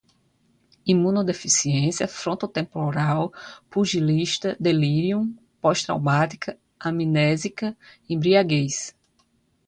imunodeficiência, frontotemporal, pugilística, delirium, pós-traumática, amnésica, embriaguez